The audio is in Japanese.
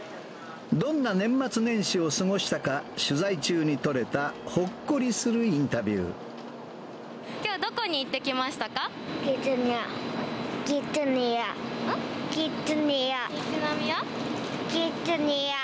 どんな年末年始を過ごしたか、取材中に撮れた、ほっこりするイきょう、どこに行ってきましキッザニア。